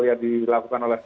yang dilakukan oleh